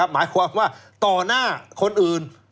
หมายความว่าต่อหน้าคนอื่น